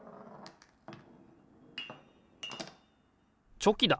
チョキだ！